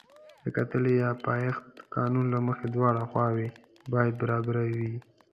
د کتلې د پایښت قانون له مخې دواړه خواوې باید برابرې وي.